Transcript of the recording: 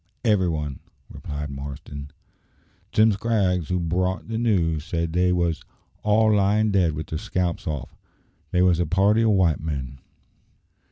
"Every one," replied Marston. "Jim Scraggs, who brought the news, said they wos all lying dead with their scalps off. They wos a party o' white men."